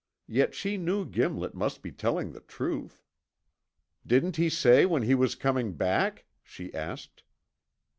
Yet she knew Gimlet must be telling the truth. "Didn't he say when he was coming back?" she asked.